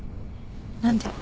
何で？